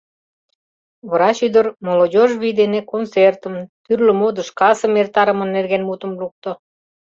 Врач ӱдыр молодёжь вий дене концертым, тӱрлӧ модыш касым эртарыме нерген мутым лукто.